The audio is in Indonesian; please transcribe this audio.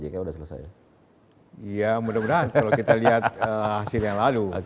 kalau kita lihat hasil yang lalu